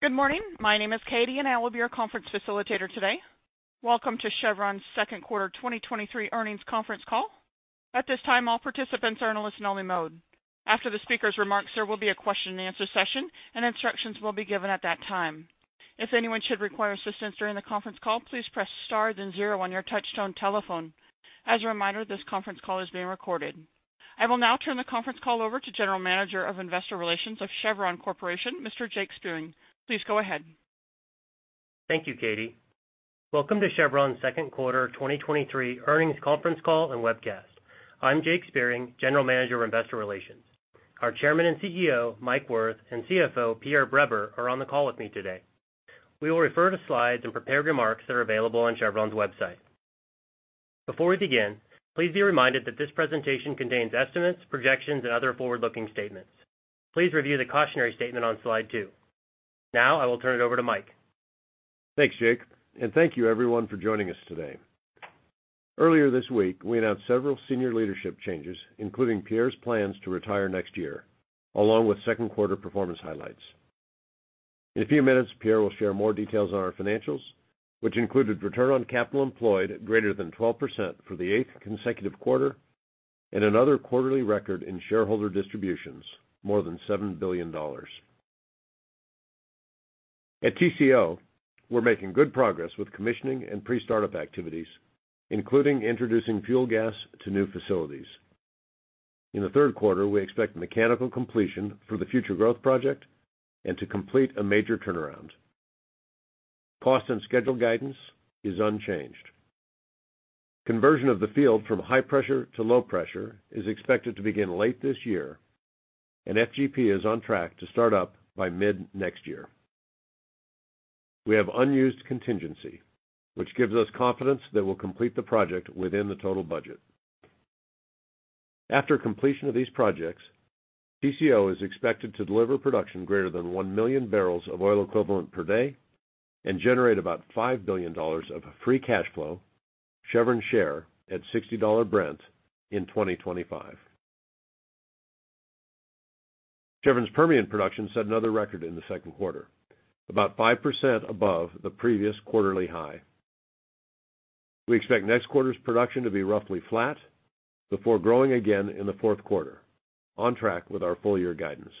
Good morning. My name is Katie. I will be your conference facilitator today. Welcome to Chevron's Second Quarter 2023 Earnings Conference Call. At this time, all participants are in a listen-only mode. After the speaker's remarks, there will be a question-and-answer session. Instructions will be given at that time. If anyone should require assistance during the conference call, please press Star then zero on your touchtone telephone. As a reminder, this conference call is being recorded. I will now turn the conference call over to General Manager of Investor Relations of Chevron Corporation, Mr. Jake Spiering. Please go ahead. Thank you, Katie. Welcome to Chevron's Second Quarter 2023 Earnings Conference Call and Webcast. I'm Jake Spiering, General Manager of Investor Relations. Our Chairman and CEO, Mike Wirth, and CFO, Pierre Breber, are on the call with me today. We will refer to slides and prepared remarks that are available on Chevron's website. Before we begin, please be reminded that this presentation contains estimates, projections, and other forward-looking statements. Please review the cautionary statement on slide 2. Now, I will turn it over to Mike. Thanks, Jake. Thank you everyone for joining us today. Earlier this week, we announced several senior leadership changes, including Pierre's plans to retire next year, along with second quarter performance highlights. In a few minutes, Pierre will share more details on our financials, which included return on capital employed greater than 12% for the eighth consecutive quarter and another quarterly record in shareholder distributions, more than $7 billion. At TCO, we're making good progress with commissioning and pre-startup activities, including introducing fuel gas to new facilities. In the third quarter, we expect mechanical completion for the Future Growth Project and to complete a major turnaround. Cost and schedule guidance is unchanged. Conversion of the field from high pressure to low pressure is expected to begin late this year. FGP is on track to start up by mid-next year. We have unused contingency, which gives us confidence that we'll complete the project within the total budget. After completion of these projects, TCO is expected to deliver production greater than 1 million barrels of oil equivalent per day and generate about $5 billion of free cash flow, Chevron share at $60 Brent in 2025. Chevron's Permian production set another record in the second quarter, about 5% above the previous quarterly high. We expect next quarter's production to be roughly flat before growing again in the fourth quarter, on track with our full-year guidance.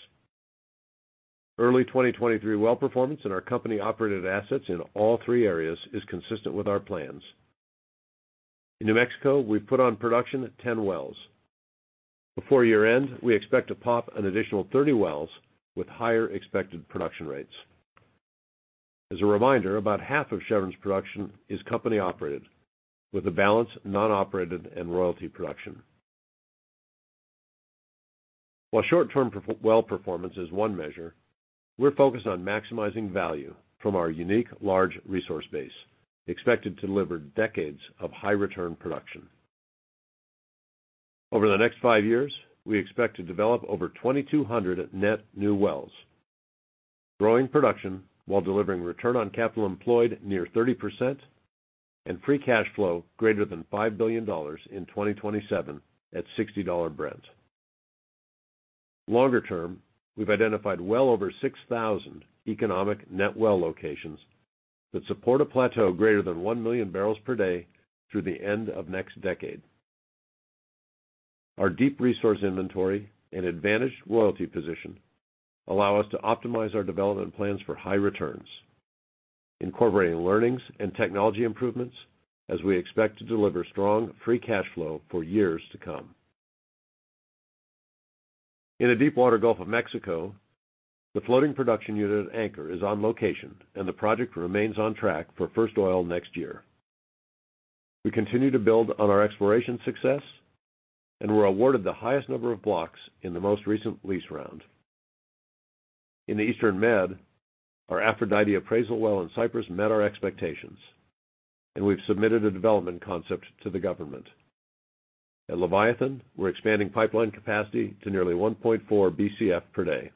Early 2023 well performance in our company-operated assets in all three areas is consistent with our plans. In New Mexico, we've put on production 10 wells. Before year-end, we expect to POP an additional 30 wells with higher expected production rates. As a reminder, about half of Chevron's production is company-operated, with the balance non-operated and royalty production. While short-term well performance is one measure, we're focused on maximizing value from our unique large resource base, expected to deliver decades of high-return production. Over the next five years, we expect to develop over 2,200 net new wells, growing production while delivering return on capital employed near 30% and free cash flow greater than $5 billion in 2027 at $60 Brent. Longer term, we've identified well over 6,000 economic net well locations that support a plateau greater than 1 million barrels per day through the end of next decade. Our deep resource inventory and advantaged royalty position allow us to optimize our development plans for high returns, incorporating learnings and technology improvements as we expect to deliver strong free cash flow for years to come. In the deepwater Gulf of Mexico, the floating production unit Anchor is on location, and the project remains on track for first oil next year. We continue to build on our exploration success and were awarded the highest number of blocks in the most recent lease round. In the Eastern Med, our Aphrodite appraisal well in Cyprus met our expectations, and we've submitted a development concept to the government. At Leviathan, we're expanding pipeline capacity to nearly 1.4 BCF per day.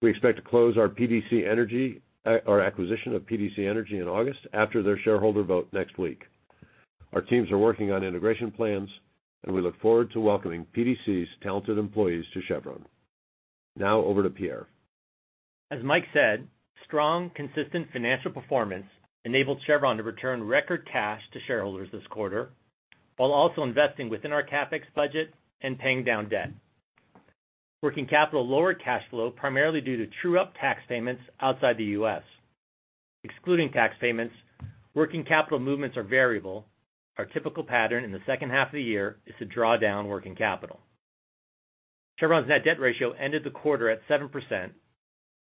We expect to close our PDC Energy, our acquisition of PDC Energy in August, after their shareholder vote next week. Our teams are working on integration plans. We look forward to welcoming PDC's talented employees to Chevron. Now over to Pierre. As Mike said, strong, consistent financial performance enabled Chevron to return record cash to shareholders this quarter, while also investing within our CapEx budget and paying down debt. Working capital lowered cash flow primarily due to true-up tax payments outside the US. Excluding tax payments, working capital movements are variable. Our typical pattern in the second half of the year is to draw down working capital. Chevron's net debt ratio ended the quarter at 7%,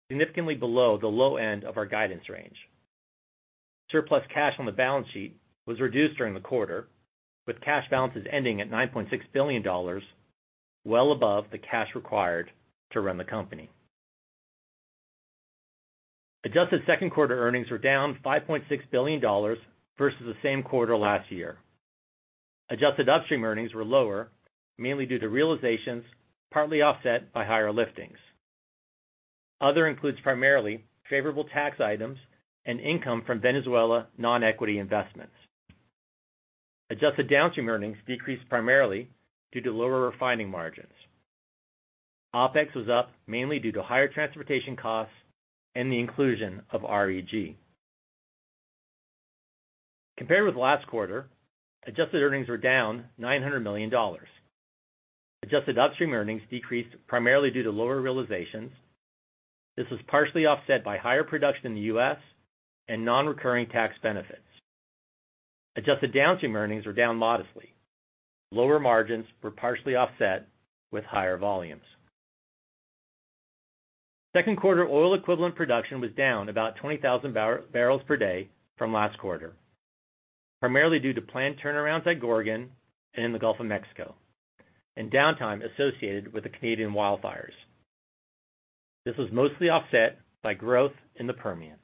significantly below the low end of our guidance range. Surplus cash on the balance sheet was reduced during the quarter, with cash balances ending at $9.6 billion, well above the cash required to run the company. Adjusted second quarter earnings were down $5.6 billion versus the same quarter last year. Adjusted Upstream earnings were lower, mainly due to realizations, partly offset by higher liftings. Other includes primarily favorable tax items and income from Venezuela non-equity investments. Adjusted Downstream earnings decreased primarily due to lower refining margins. Opex was up mainly due to higher transportation costs and the inclusion of REG. Compared with last quarter, adjusted earnings were down $900 million. Adjusted Upstream earnings decreased primarily due to lower realizations. This was partially offset by higher production in the U.S. and non-recurring tax benefits. Adjusted Downstream earnings were down modestly. Lower margins were partially offset with higher volumes. Second quarter oil equivalent production was down about 20,000 barrels per day from last quarter, primarily due to planned turnarounds at Gorgon and in the Gulf of Mexico, and downtime associated with the Canadian wildfires. This was mostly offset by growth in the Permian.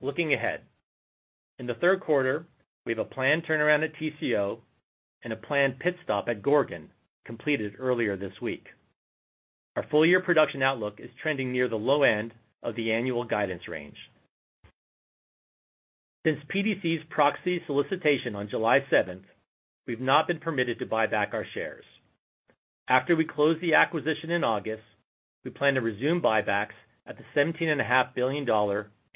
Looking ahead. In the 3rd quarter, we have a planned turnaround at TCO and a planned pit stop at Gorgon, completed earlier this week. Our full-year production outlook is trending near the low end of the annual guidance range. Since PDC's proxy solicitation on July 7th, we've not been permitted to buy back our shares. After we close the acquisition in August, we plan to resume buybacks at the $17.5 billion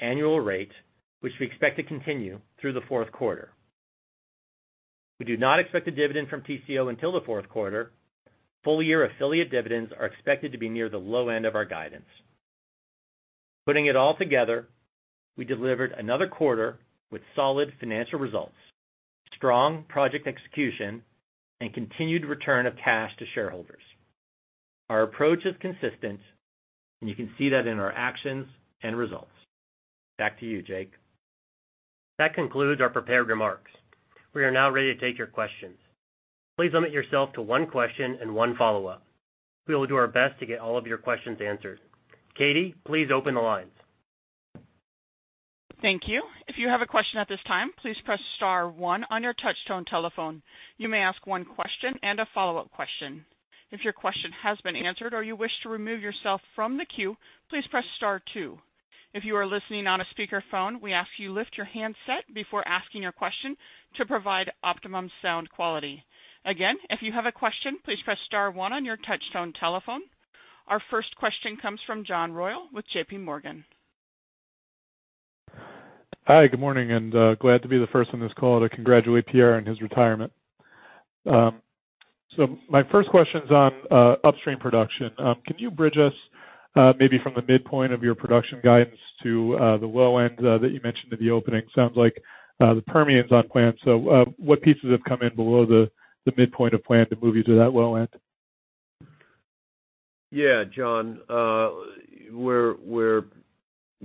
annual rate, which we expect to continue through the 4th quarter. We do not expect a dividend from TCO until the 4th quarter. Full-year affiliate dividends are expected to be near the low end of our guidance. Putting it all together, we delivered another quarter with solid financial results, strong project execution, and continued return of cash to shareholders. Our approach is consistent, and you can see that in our actions and results. Back to you, Jake. That concludes our prepared remarks. We are now ready to take your questions. Please limit yourself to one question and one follow up. We will do our best to get all of your questions answered. Katie, please open the lines. Thank you. If you have a question at this time, please press star 1 on your touchtone telephone. You may ask one question and a follow up question. If your question has been answered or you wish to remove yourself from the queue, please press star 2. If you are listening on a speakerphone, we ask you lift your handset before asking your question to provide optimum sound quality. Again, if you have a question, please press star 1 on your touchtone telephone. Our first question comes from John Royall with JPMorgan. Hi, good morning, and glad to be the first on this call to congratulate Pierre on his retirement. My first question is on Upstream production. Can you bridge us maybe from the midpoint of your production guidance to the low end that you mentioned in the opening? Sounds like the Permian is on plan. What pieces have come in below the midpoint of plan to move you to that low end? Yeah, John,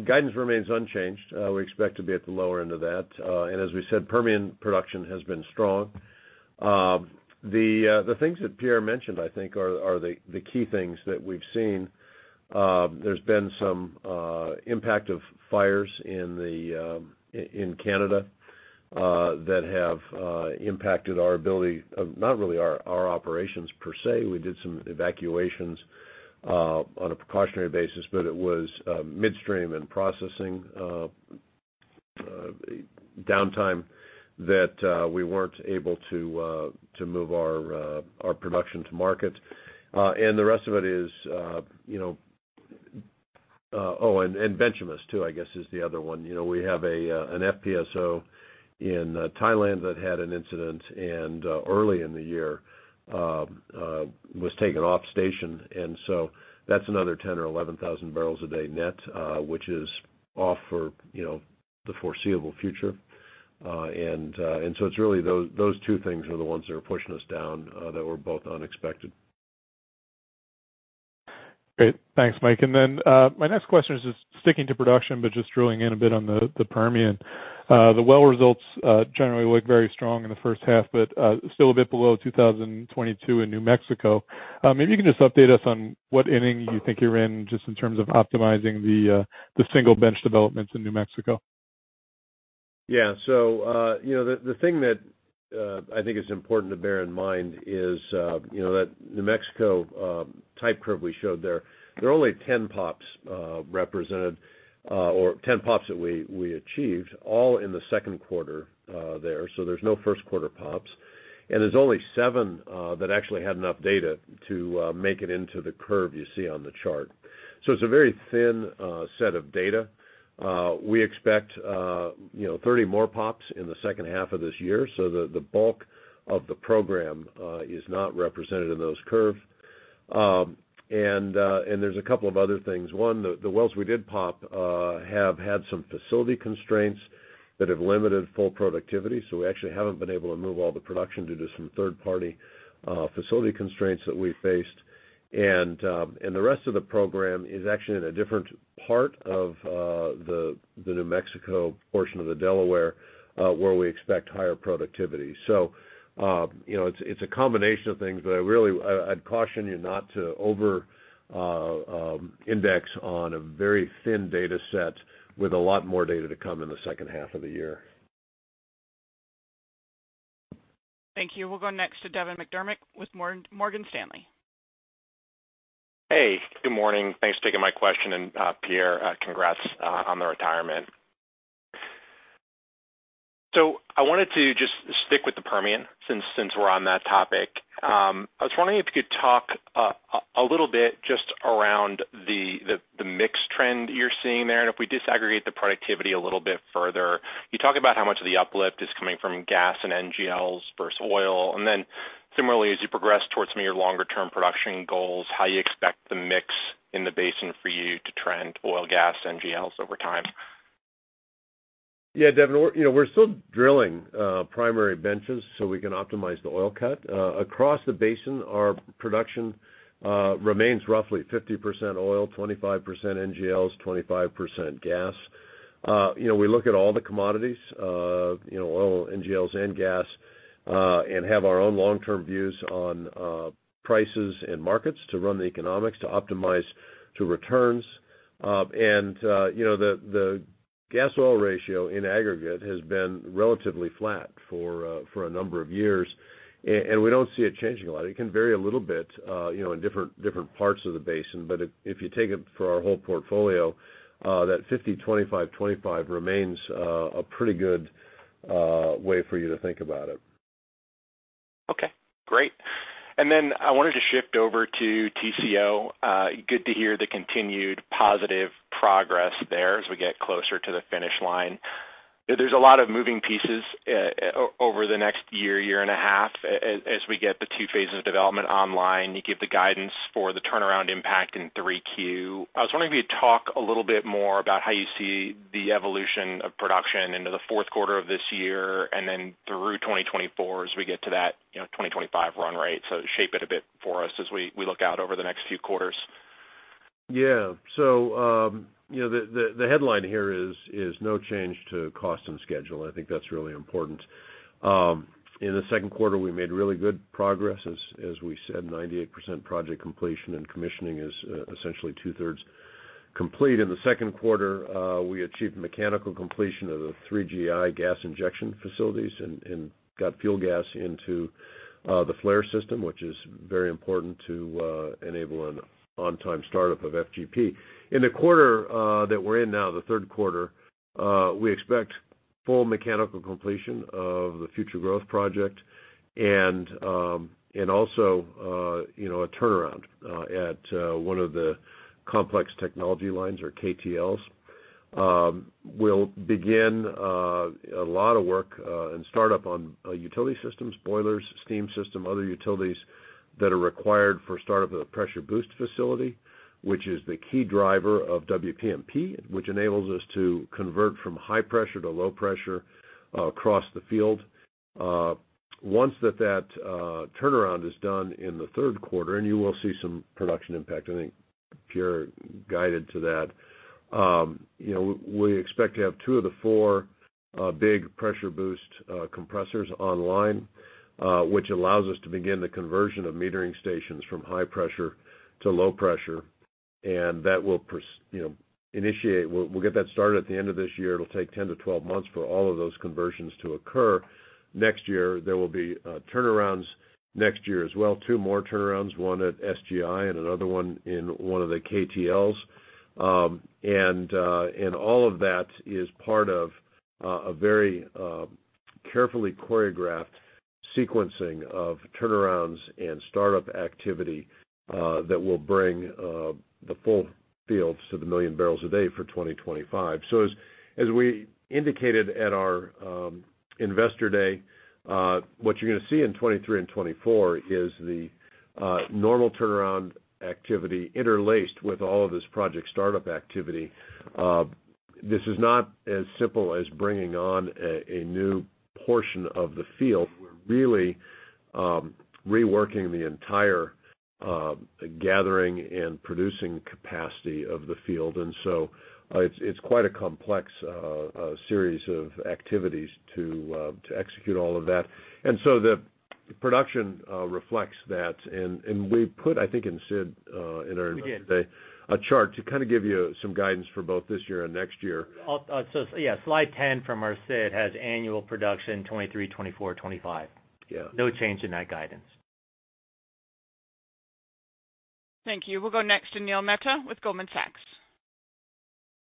guidance remains unchanged. We expect to be at the lower end of that. As we said, Permian production has been strong. The things that Pierre mentioned, I think, are the key things that we've seen. There's been some impact of fires in Canada that have impacted our ability of not really our operations per se. We did some evacuations on a precautionary basis, but it was midstream and processing downtime that we weren't able to move our production to market. The rest of it is, you know. Oh, and Permian, too, I guess, is the other one. You know, we have a, an FPSO in Thailand that had an incident, and early in the year, was taken off station, and so that's another 10,000 or 11,000 barrels a day net, which is off for, you know, the foreseeable future. It's really those, those two things are the ones that are pushing us down, that were both unexpected. Great. Thanks, Mike. My next question is just sticking to production, but just drilling in a bit on the, the Permian. The well results, generally look very strong in the first half, but, still a bit below 2022 in New Mexico. Maybe you can just update us on what inning you think you're in, just in terms of optimizing the, the single bench developments in New Mexico. Yeah. you know, the thing that I think is important to bear in mind is, you know, that New Mexico type curve we showed there, there are only 10 pops represented or 10 pops that we achieved, all in the second quarter there, so there's no first quarter pops. there's only seven that actually had enough data to make it into the curve you see on the chart. it's a very thin set of data. we expect, you know, 30 more pops in the second half of this year. the bulk of the program is not represented in those curves. and there's a couple of other things. One, the wells we did POP have had some facility constraints that have limited full productivity, so we actually haven't been able to move all the production due to some third-party facility constraints that we faced. The rest of the program is actually in a different part of the New Mexico portion of the Delaware, where we expect higher productivity. You know, it's a combination of things, but I'd caution you not to over index on a very thin data set with a lot more data to come in the second half of the year. Thank you. We'll go next to Devin McDermott with Morgan Stanley. Hey, good morning. Thanks for taking my question. Pierre, congrats on the retirement. I wanted to just stick with the Permian since, since we're on that topic. I was wondering if you could talk a little bit just around the mix trend you're seeing there, and if we disaggregate the productivity a little bit further. You talk about how much of the uplift is coming from gas and NGLs versus oil. Then similarly, as you progress towards some of your longer-term production goals, how you expect the mix in the basin for you to trend oil, gas, NGLs over time? Yeah, Devin, we're, you know, we're still drilling primary benches, so we can optimize the oil cut. Across the basin, our production remains roughly 50% oil, 25% NGLs, 25% gas. You know, we look at all the commodities, you know, oil, NGLs, and gas, and have our own long-term views on prices and markets to run the economics, to optimize to returns. You know, the gas oil ratio in aggregate has been relatively flat for a number of years, and we don't see it changing a lot. It can vary a little bit, you know, in different, different parts of the basin, but if you take it for our whole portfolio, that 50, 25, 25 remains a pretty good way for you to think about it. Okay, great. I wanted to shift over to TCO. Good to hear the continued positive progress there as we get closer to the finish line. There's a lot of moving pieces, over the next year, year and a half, as we get the two phases of development online. You give the guidance for the turnaround impact in three Q. I was wondering if you'd talk a little bit more about how you see the evolution of production into the fourth quarter of this year, and then through 2024, as we get to that, you know, 2025 run rate. Shape it a bit for us as we look out over the next few quarters. Yeah. You know, the headline here is no change to cost and schedule. I think that's really important. As we said, 98% project completion, and commissioning is essentially two-thirds complete. In the second quarter, we made really good progress. In the second quarter, we achieved mechanical completion of the three GI gas injection facilities and got fuel gas into the flare system, which is very important to enable an on-time startup of FGP. In the quarter that we're in now, the third quarter, we expect full mechanical completion of the Future Growth Project and also, you know, a turnaround at one of the Complex Technology Lines or KTLs. We'll begin a lot of work and start up on utility systems, boilers, steam system, other utilities that are required for startup of the pressure boost facility, which is the key driver of WPMP, which enables us to convert from high pressure to low pressure across the field. Once that, that turnaround is done in the third quarter, and you will see some production impact, I think you're guided to that. You know, we expect to have two of the four big pressure boost compressors online, which allows us to begin the conversion of metering stations from high pressure to low pressure, and that will you know, initiate... We'll, we'll get that started at the end of this year. It'll take 10-12 months for all of those conversions to occur. Next year, there will be turnarounds next year as well. Two more turnarounds, one at SGI and another one in one of the KTLs. All of that is part of a very carefully choreographed sequencing of turnarounds and startup activity that will bring the full fields to the 1 million barrels a day for 2025. As, as we indicated at our Investor Day, what you're gonna see in 2023 and 2024 is the normal turnaround activity interlaced with all of this project startup activity. This is not as simple as bringing on a new portion of the field. We're really reworking the entire gathering and producing capacity of the field. It's quite a complex series of activities to execute all of that. The production reflects that. We put, I think, in Sid, in our- We did. A chart to kind of give you some guidance for both this year and next year. Yeah, slide 10 from our Sid has annual production, 2023, 2024, 2025. Yeah. No change in that guidance. Thank you. We'll go next to Neil Mehta with Goldman Sachs.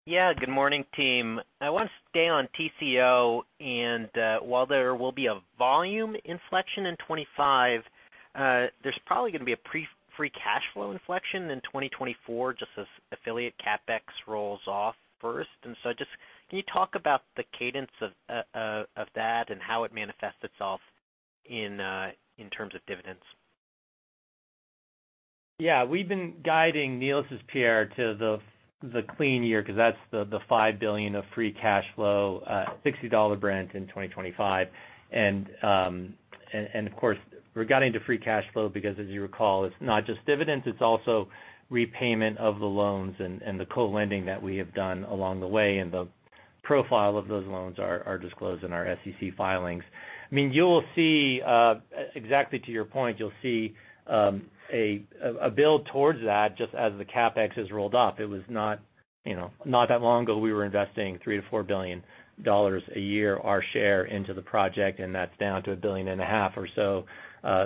Yeah, good morning, team. I want to stay on TCO, and, while there will be a volume inflection in 25, there's probably gonna be a pre- free cash flow inflection in 2024, just as affiliate CapEx rolls off first. Just can you talk about the cadence of, of that and how it manifests itself in, in terms of dividends? Yeah. We've been guiding, Neil, this is Pierre, to the clean year, 'cause that's the $5 billion of free cash flow, $60 Brent in 2025. Of course, we're guiding to free cash flow, because as you recall, it's not just dividends, it's also repayment of the loans and the co-lending that we have done along the way, and the profile of those loans are disclosed in our SEC filings. I mean, you'll see exactly to your point, you'll see a build towards that just as the CapEx is rolled off. It was not, you know, not that long ago, we were investing $3 billion-$4 billion a year, our share into the project, and that's down to $1.5 billion or so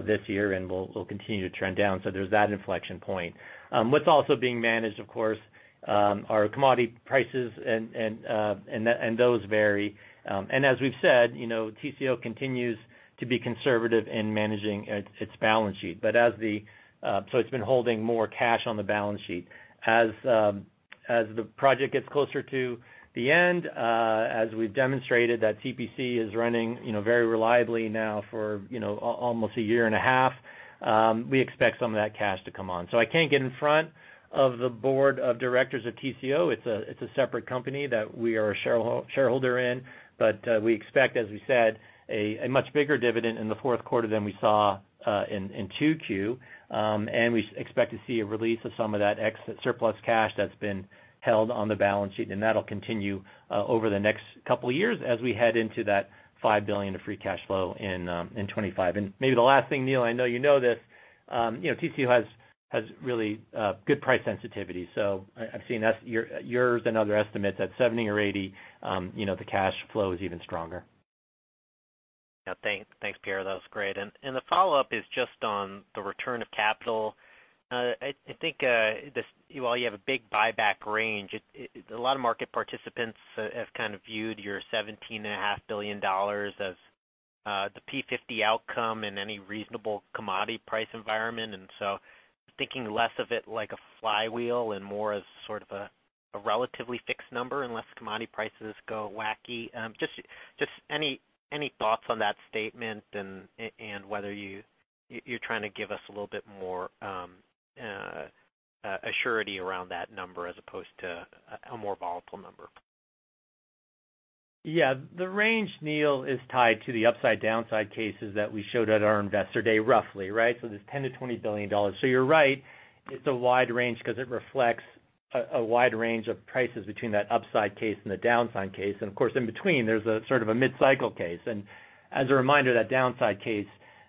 this year, and will continue to trend down. There's that inflection point. What's also being managed, of course, are commodity prices and those vary. As we've said, you know, TCO continues to be conservative in managing its balance sheet. It's been holding more cash on the balance sheet. As the project gets closer to the end, as we've demonstrated, TPC is running, you know, very reliably now for almost a year and a half, we expect some of that cash to come on. I can't get in front of the board of directors of TCO. It's a separate company that we are a shareholder in, but we expect, as we said, a much bigger dividend in the fourth quarter than we saw in 2Q. We expect to see a release of some of that ex- surplus cash that's been held on the balance sheet, and that'll continue over the next couple of years as we head into that $5 billion of free cash flow in 2025. Maybe the last thing, Neil, I know you know this, you know, TCO has, has really good price sensitivity. I, I've seen that's your- yours and other estimates, that $70 or $80, you know, the cash flow is even stronger. Yeah. Thanks. Thanks, Pierre, that was great. The follow up is just on the return of capital. I, I think, this, while you have a big buyback range, it, it-- a lot of market participants have kind of viewed your $17.5 billion as the P50 outcome in any reasonable commodity price environment. So thinking less of it like a flywheel and more as sort of a relatively fixed number, unless commodity prices go wacky. Just, just any, any thoughts on that statement and whether you, you're trying to give us a little bit more surety around that number as opposed to a more volatile number? Yeah. The range, Neil, is tied to the upside downside cases that we showed at our Investor Day, roughly, right? There's $10 billion-$20 billion. You're right, it's a wide range because it reflects a wide range of prices between that upside case and the downside case. Of course, in between, there's a sort of a mid-cycle case. As a reminder, that downside case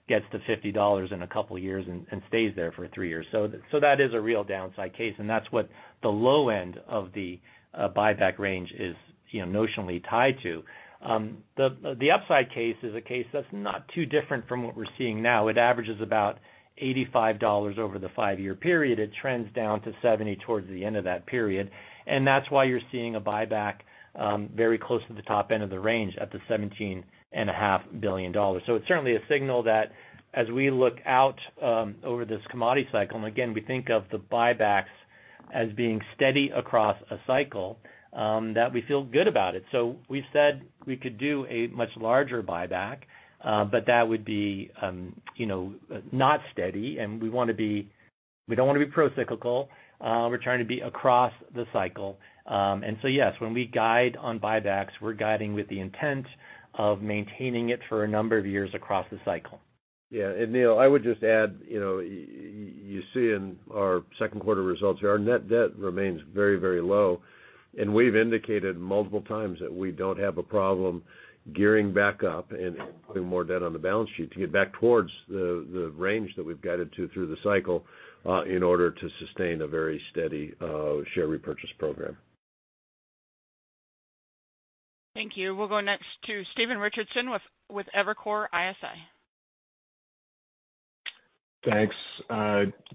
gets to $50 in a couple years and stays there for 3 years. That is a real downside case, and that's what the low end of the buyback range is, you know, notionally tied to. The upside case is a case that's not too different from what we're seeing now. It averages about $85 over the 5-year period. It trends down to 70 towards the end of that period. That's why you're seeing a buyback, very close to the top end of the range, at the $17.5 billion. It's certainly a signal that as we look out, over this commodity cycle, and again, we think of the buybacks as being steady across a cycle, that we feel good about it. We've said we could do a much larger buyback. That would be, you know, not steady, and we don't wanna be procyclical. We're trying to be across the cycle. Yes, when we guide on buybacks, we're guiding with the intent of maintaining it for a number of years across the cycle. Neil, I would just add, you know, you see in our second quarter results here, our net debt remains very, very low, and we've indicated multiple times that we don't have a problem gearing back up and putting more debt on the balance sheet to get back towards the, the range that we've guided to through the cycle, in order to sustain a very steady, share repurchase program. Thank you. We'll go next to Stephen Richardson with Evercore ISI. Thanks.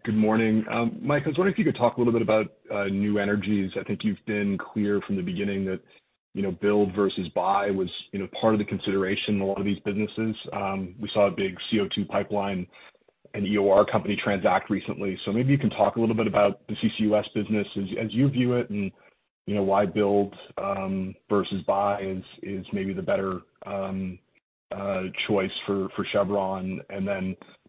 Good morning. Mike, I was wondering if you could talk a little bit about new energies. I think you've been clear from the beginning that, you know, build versus buy was, you know, part of the consideration in a lot of these businesses. We saw a big CO2 pipeline and EOR company transact recently. Maybe you can talk a little bit about the CCUS business as, as you view it, and you know, why build versus buy is, is maybe the better choice for, for Chevron.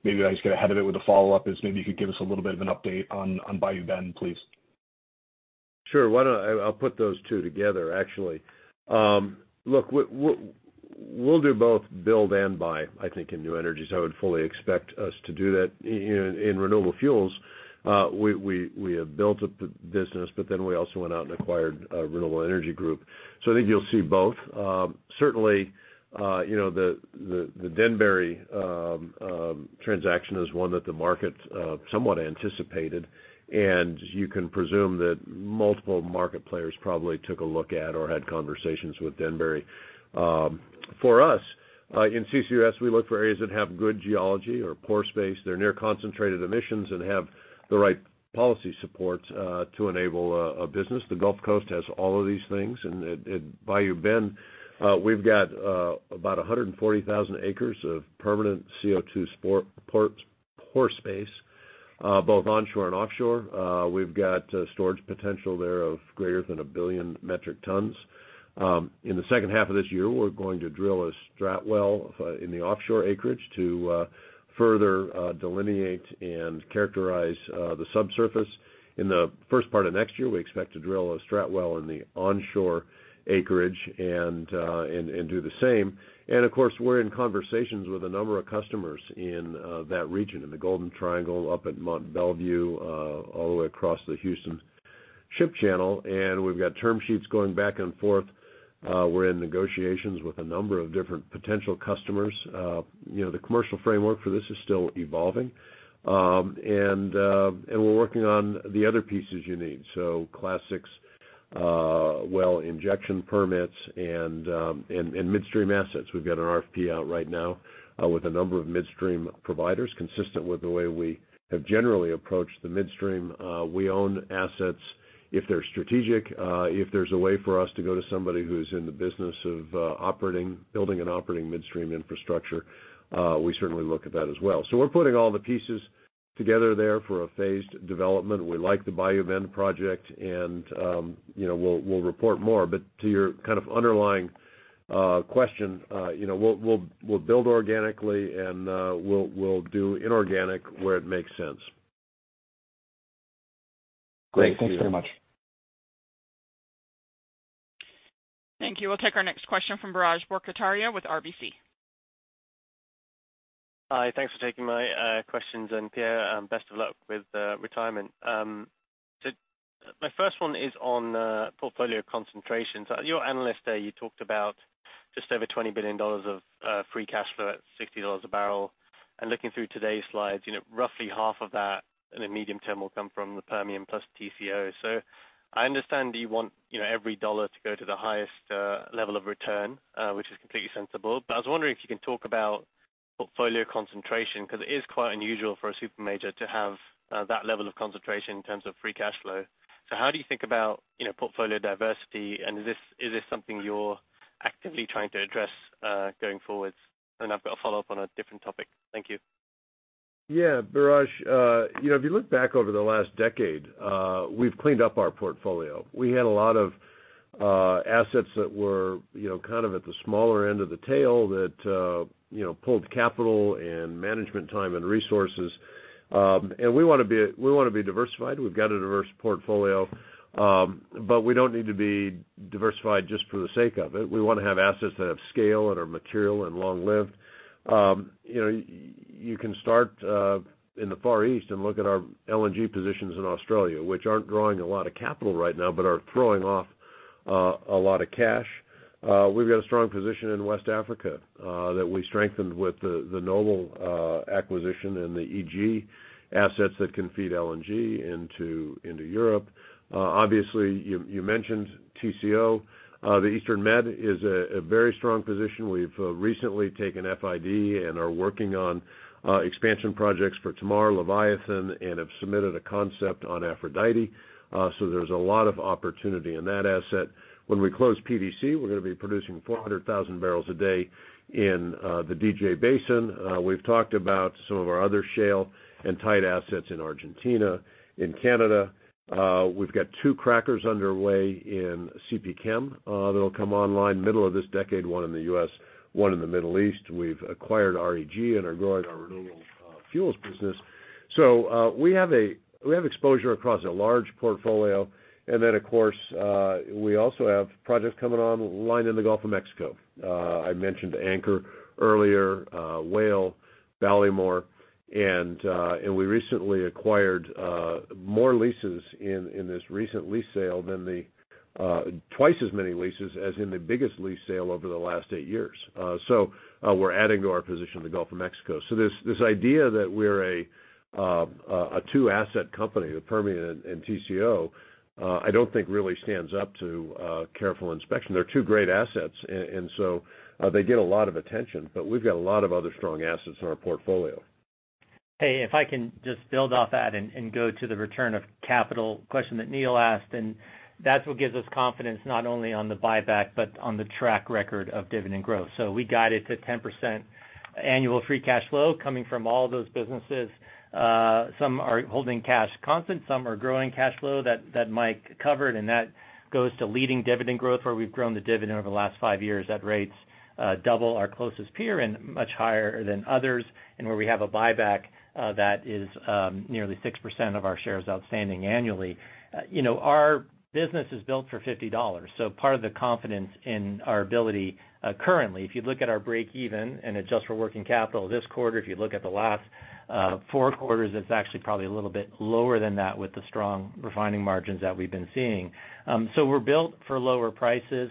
Maybe I just get ahead of it with a follow up, is maybe you could give us a little bit of an update on, on Bayou Bend, please. Sure. Why don't I- I'll put those two together, actually. look, we'll do both build and buy, I think, in new energies. I would fully expect us to do that. In, in renewable fuels, we have built up the business, but then we also went out and acquired a Renewable Energy Group. I think you'll see both. certainly, you know, the, the, the Denbury transaction is one that the market somewhat anticipated, and you can presume that multiple market players probably took a look at or had conversations with Denbury. For us, in CCUS, we look for areas that have good geology or pore space. They're near concentrated emissions and have the right policy support to enable a, a business. The Gulf Coast has all of these things, and at Bayou Bend, we've got about 140,000 acres of permanent CO2 pore space, both onshore and offshore. We've got storage potential there of greater than 1 billion metric tons. In the second half of this year, we're going to drill a strat well in the offshore acreage to further delineate and characterize the subsurface. In the first part of next year, we expect to drill a strat well in the onshore acreage and do the same. Of course, we're in conversations with a number of customers in that region, in the Golden Triangle, up at Mont Belvieu, all the way across the Houston Ship Channel, and we've got term sheets going back and forth. We're in negotiations with a number of different potential customers. You know, the commercial framework for this is still evolving. And we're working on the other pieces you need. So well, injection permits and midstream assets. We've got an RFP out right now, with a number of midstream providers, consistent with the way we have generally approached the midstream. We own assets if they're strategic, if there's a way for us to go to somebody who's in the business of operating-- building and operating midstream infrastructure, we certainly look at that as well. So we're putting all the pieces together there for a phased development. We like the Bayou Bend project, and, you know, we'll, we'll report more. To your kind of underlying question, you know, we'll, we'll, we'll build organically, and, we'll, we'll do inorganic where it makes sense. Great. Thanks very much. Thank you. We'll take our next question from Biraj Borkhataria with RBC. Hi, thanks for taking my questions, and Pierre, best of luck with retirement. My first one is on portfolio concentration. At your Investor Day, you talked about just over $20 billion of free cash flow at $60 a barrel. Looking through today's slides, you know, roughly half of that in the medium term will come from the Permian plus TCO. I understand that you want, you know, every dollar to go to the highest level of return, which is completely sensible. I was wondering if you can talk about portfolio concentration, 'cause it is quite unusual for a super major to have that level of concentration in terms of free cash flow. How do you think about, you know, portfolio diversity, and is this, is this something you're actively trying to address going forward? I've got a follow up on a different topic. Thank you. Yeah, Biraj, you know, if you look back over the last decade, we've cleaned up our portfolio. We had a lot of assets that were, you know, kind of at the smaller end of the tail, that, you know, pulled capital and management time and resources. We wanna be, we wanna be diversified. We've got a diverse portfolio, but we don't need to be diversified just for the sake of it. We wanna have assets that have scale and are material and long-lived. You know, you can start in the Far East and look at our LNG positions in Australia, which aren't drawing a lot of capital right now, but are throwing off a lot of cash. We've got a strong position in West Africa that we strengthened with the Noble acquisition and the EG assets that can feed LNG into, into Europe. You, you mentioned TCO. The Eastern Med is a very strong position. We've recently taken FID and are working on expansion projects for Tamar, Leviathan, and have submitted a concept on Aphrodite. There's a lot of opportunity in that asset. When we close PDC, we're gonna be producing 400,000 barrels a day in the DJ Basin. We've talked about some of our other shale and tight assets in Argentina, in Canada. We've got two crackers underway in CP Chem, that'll come online middle of this decade, one in the U.S., one in the Middle East. We've acquired REG and are growing our renewable fuels business. We have exposure across a large portfolio, and then, of course, we also have projects coming online in the Gulf of Mexico. I mentioned Anchor earlier, Whale, Ballymore, and we recently acquired more leases in this recent lease sale than twice as many leases as in the biggest lease sale over the last 8 years. We're adding to our position in the Gulf of Mexico. This idea that we're a 2-asset company, the Permian and TCO, I don't think really stands up to careful inspection. They're 2 great assets, and so they get a lot of attention, but we've got a lot of other strong assets in our portfolio. Hey, if I can just build off that and, and go to the return of capital question that Neil asked, and that's what gives us confidence, not only on the buyback, but on the track record of dividend growth. We got it to 10% annual free cash flow coming from all those businesses. Some are holding cash constant, some are growing cash flow, that, that Mike covered, and that goes to leading dividend growth, where we've grown the dividend over the last five years at rates, double our closest peer and much higher than others, and where we have a buyback, that is, nearly 6% of our shares outstanding annually. You know, our business is built for $50, part of the confidence in our ability currently, if you look at our break-even and adjust for working capital this quarter, if you look at the last 4 quarters, it's actually probably a little bit lower than that with the strong refining margins that we've been seeing. We're built for lower prices.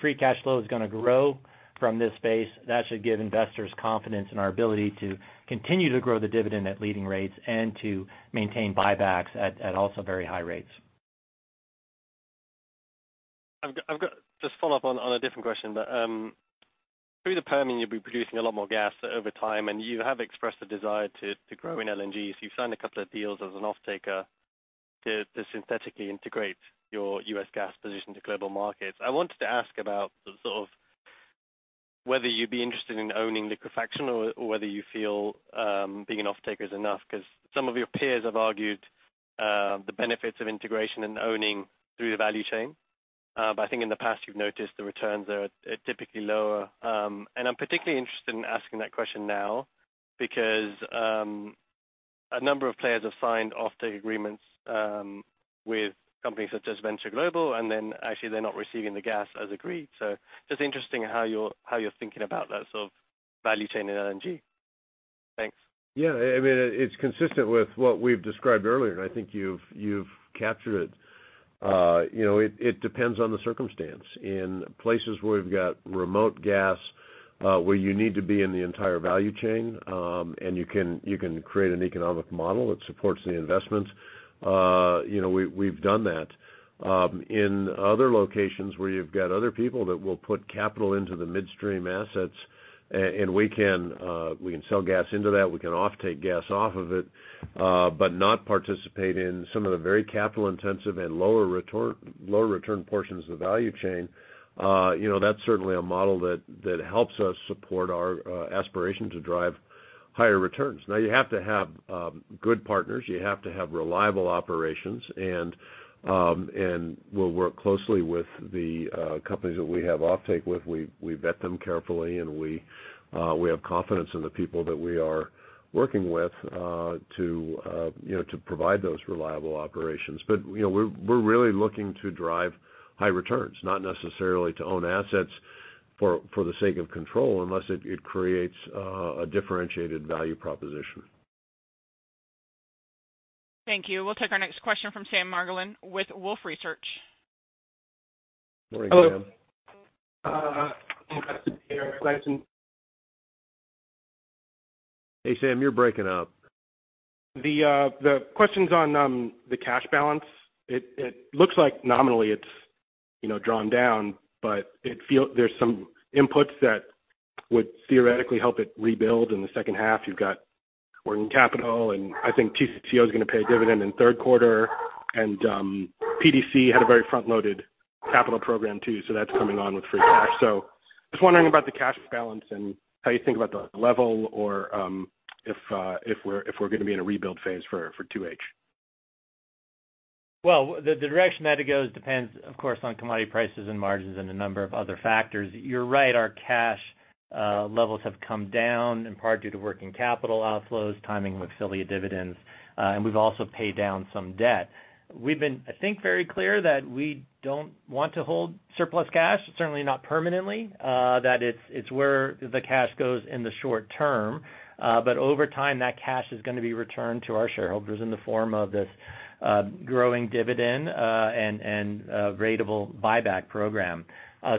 Free cash flow is gonna grow from this base. That should give investors confidence in our ability to continue to grow the dividend at leading rates and to maintain buybacks at, at also very high rates. I've got just follow up on a different question. Through the Permian, you'll be producing a lot more gas over time, and you have expressed a desire to grow in LNG, so you've signed a couple of deals as an offtaker to synthetically integrate your U.S. gas position to global markets. I wanted to ask about the sort of whether you'd be interested in owning liquefaction or whether you feel, being an offtaker is enough, 'cause some of your peers have argued, the benefits of integration and owning through the value chain. I think in the past, you've noticed the returns are typically lower. I'm particularly interested in asking that question now because a number of players have signed offtake agreements with companies such as Venture Global, and then actually they're not receiving the gas as agreed. Just interesting how you're, how you're thinking about that sort of value chain in LNG. Thanks. Yeah, I mean, it's consistent with what we've described earlier, and I think you've, you've captured it. You know, it, it depends on the circumstance. In places where we've got remote, where you need to be in the entire value chain, and you can, you can create an economic model that supports the investments, you know, we, we've done that. In other locations where you've got other people that will put capital into the midstream assets, and we can, we can sell gas into that, we can offtake gas off of it, but not participate in some of the very capital-intensive and lower return portions of the value chain, you know, that's certainly a model that, that helps us support our aspiration to drive higher returns. You have to have good partners, you have to have reliable operations, and we'll work closely with the companies that we have offtake with. We vet them carefully, and we have confidence in the people that we are working with, to, you know, to provide those reliable operations. You know, we're really looking to drive high returns, not necessarily to own assets for, for the sake of control, unless it creates a differentiated value proposition. Thank you. We'll take our next question from Sam Margolin with Wolfe Research. Morning, Sam. Hello. Hey, Sam, you're breaking up. The question's on the cash balance. It looks like nominally it's, you know, drawn down, but there's some inputs that would theoretically help it rebuild in the second half. You've got working capital, I think TCO is gonna pay a dividend in third quarter. PDC had a very front-loaded capital program, too, so that's coming on with free cash. Just wondering about the cash balance and how you think about the level or if we're gonna be in a rebuild phase for 2H. The, the direction that it goes depends, of course, on commodity prices and margins and a number of other factors. You're right, our cash levels have come down, in part due to working capital outflows, timing with affiliate dividends, and we've also paid down some debt. We've been, I think, very clear that we don't want to hold surplus cash, certainly not permanently, that it's, it's where the cash goes in the short term. But over time, that cash is gonna be returned to our shareholders in the form of this growing dividend, and, and, ratable buyback program.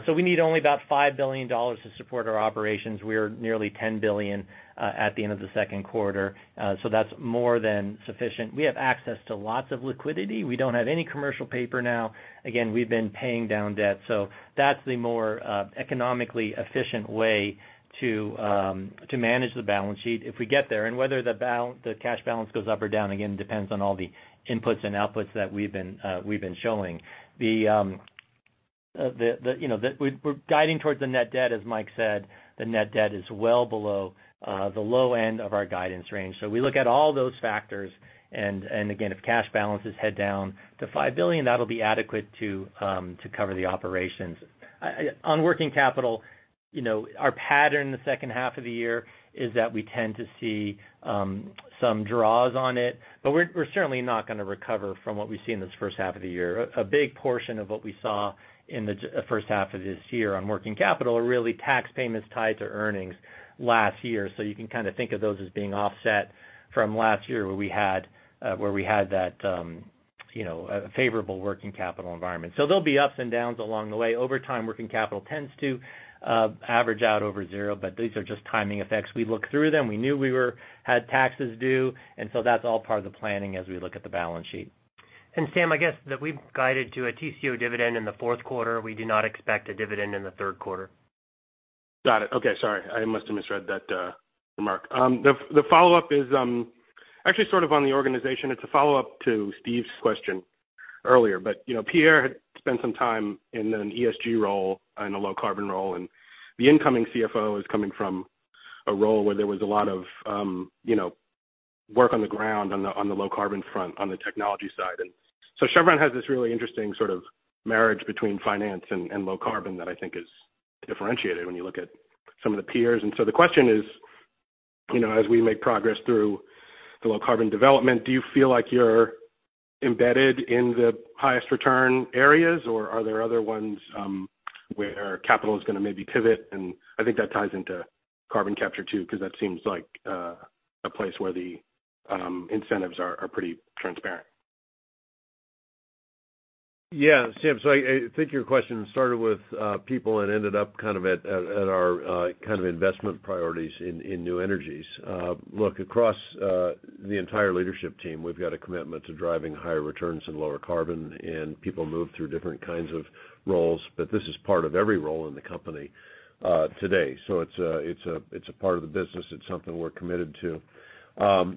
So we need only about $5 billion to support our operations. We're nearly $10 billion at the end of the second quarter, so that's more than sufficient. We have access to lots of liquidity. We don't have any commercial paper now. We've been paying down debt, so that's the more economically efficient way to manage the balance sheet if we get there. Whether the cash balance goes up or down, again, depends on all the inputs and outputs that we've been showing. You know, we're guiding towards the net debt, as Mike said, the net debt is well below the low end of our guidance range. We look at all those factors, and again, if cash balances head down to $5 billion, that'll be adequate to cover the operations. On working capital, you know, our pattern in the second half of the year is that we tend to see some draws on it, but we're certainly not gonna recover from what we've seen in this first half of the year. A big portion of what we saw in the first half of this year on working capital are really tax payments tied to earnings last year. You can kind of think of those as being offset from last year, where we had where we had that, you know, a favorable working capital environment. There'll be ups and downs along the way. Over time, working capital tends to average out over zero, but these are just timing effects. We look through them. We knew we had taxes due, so that's all part of the planning as we look at the balance sheet. Sam, I guess that we've guided to a TCO dividend in the fourth quarter. We do not expect a dividend in the third quarter. Got it. Okay, sorry. I must have misread that remark. The, the follow up is, actually sort of on the organization. It's a follow up to Steve's question earlier. You know, Pierre had spent some time in an ESG role and a low-carbon role, and the incoming CFO is coming from a role where there was a lot of, you know, work on the ground on the, on the low-carbon front, on the technology side. So Chevron has this really interesting sort of marriage between finance and, and low carbon that I think is differentiated when you look at some of the peers. So the question is, you know, as we make progress through the low-carbon development, do you feel like you're embedded in the highest return areas, or are there other ones, where capital is gonna maybe pivot? I think that ties into carbon capture, too, because that seems like a place where the incentives are pretty transparent. Yeah, Sam, I, I think your question started with people and ended up kind of at, at, at our kind of investment priorities in new energies. Look, across the entire leadership team, we've got a commitment to driving higher returns and lower carbon, and people move through different kinds of roles, but this is part of every role in the company today. It's a, it's a, it's a part of the business. It's something we're committed to.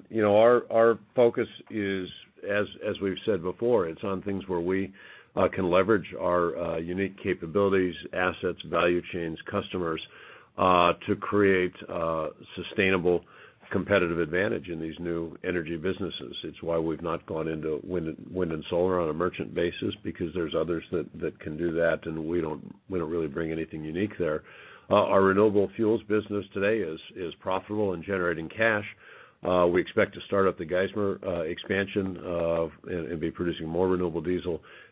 You know, our, our focus is, as, as we've said before, it's on things where we can leverage our unique capabilities, assets, value chains, customers to create a sustainable competitive advantage in these new energy businesses. It's why we've not gone into wind and solar on a merchant basis because there's others that, that can do that, and we don't, we don't really bring anything unique there. Our renewable fuels business today is, is profitable and generating cash. We expect to start up the Geismar expansion of be producing more renewable diesel next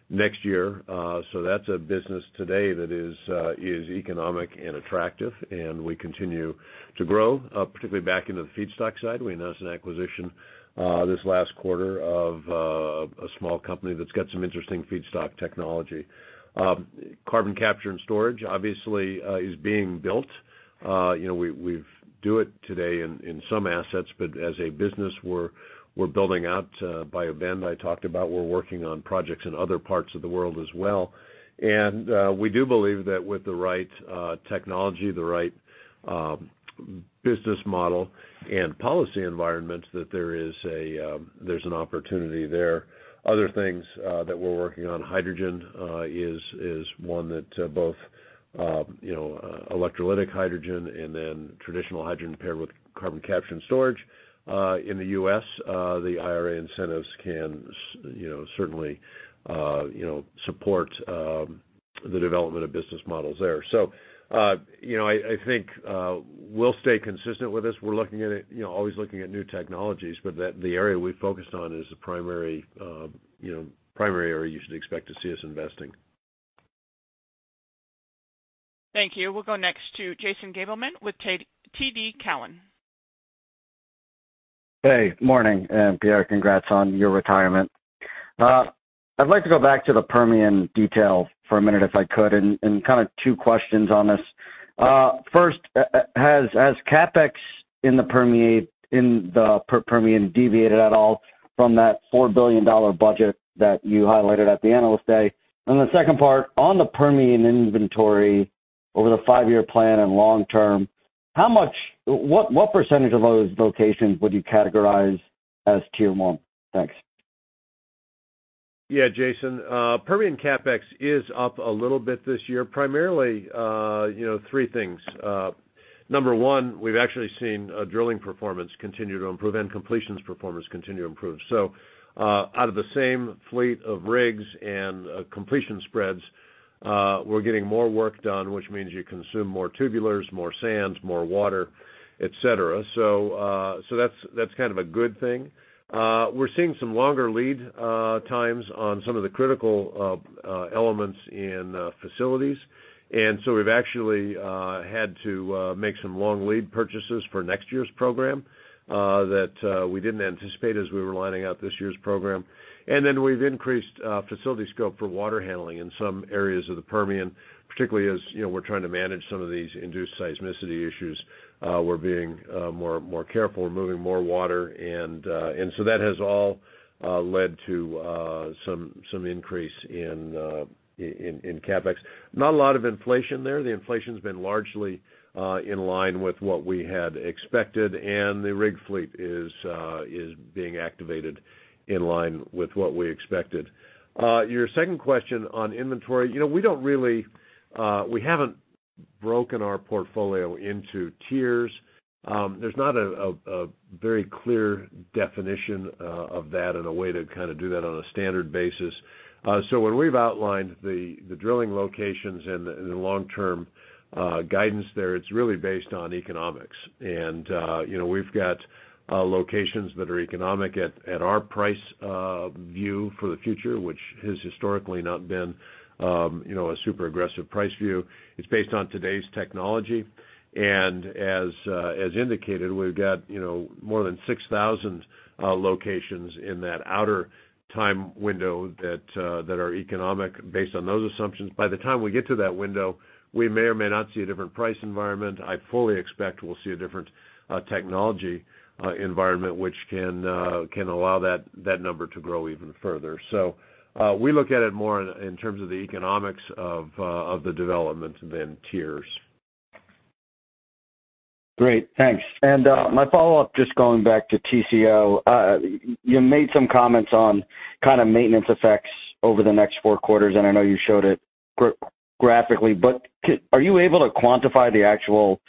year. That's a business today that is economic and attractive, and we continue to grow, particularly back into the feedstock side. We announced an acquisition this last quarter of a small company that's got some interesting feedstock technology. Carbon capture and storage, obviously, is being built. You know, we, we've do it today in, in some assets, but as a business, we're, we're building out Bayou Bend, I talked about. We're working on projects in other parts of the world as well. We do believe that with the right technology, the right business model and policy environment, that there is a there's an opportunity there. Other things that we're working on, hydrogen is one that both, you know, electrolytic hydrogen and then traditional hydrogen paired with carbon capture and storage. In the U.S., the IRA incentives can, you know, certainly, you know, support the development of business models there. You know, I think we'll stay consistent with this. We're looking at it, you know, always looking at new technologies, but the area we've focused on is the primary, you know, primary area you should expect to see us investing. Thank you. We'll go next to Jason Gabelman with TD Cowen. Hey, morning. Pierre, congrats on your retirement. I'd like to go back to the Permian detail for a minute, if I could, and kind of two questions on this. First, has CapEx in the Permian deviated at all from that $4 billion budget that you highlighted at the Analyst Day? The second part, on the Permian inventory over the five-year plan and long term, what percentage of those locations would you categorize as Tier 1? Thanks. Yeah, Jason, Permian CapEx is up a little bit this year, primarily, you know, three things. Number one, we've actually seen drilling performance continue to improve and completions performance continue to improve. Out of the same fleet of rigs and completion spreads, we're getting more work done, which means you consume more tubulars, more sands, more water, et cetera. That's, that's kind of a good thing. We're seeing some longer lead times on some of the critical elements in facilities. We've actually had to make some long lead purchases for next year's program that we didn't anticipate as we were lining out this year's program. Then we've increased facility scope for water handling in some areas of the Permian, particularly as, you know, we're trying to manage some of these induced seismicity issues. We're being more, more careful. We're moving more water, and so that has all led to some, some increase in CapEx. Not a lot of inflation there. The inflation's been largely in line with what we had expected, and the rig fleet is being activated in line with what we expected. Your second question on inventory, you know, we don't really, we haven't broken our portfolio into tiers. There's not a very clear definition of that and a way to kind of do that on a standard basis. When we've outlined the drilling locations and the long-term guidance there, it's really based on economics. You know, we've got locations that are economic at our price view for the future, which has historically not been, you know, a super aggressive price view. It's based on today's technology, and as indicated, we've got, you know, more than 6,000 locations in that outer time window that are economic based on those assumptions. By the time we get to that window, we may or may not see a different price environment. I fully expect we'll see a different technology environment, which can allow that number to grow even further. We look at it more in terms of the economics of the development than tiers. Great, thanks. My follow up, just going back to TCO. You made some comments on kind of maintenance effects over the next 4 quarters, and I know you showed it graphically, but are you able to quantify the actual